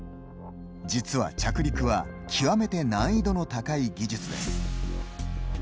実は、着陸は極めて難易度の高い技術です。